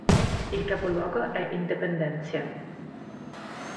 Il capoluogo è Independencia.